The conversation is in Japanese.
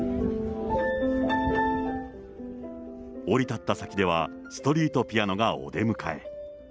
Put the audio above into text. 降り立った先では、ストリートピアノがお出迎え。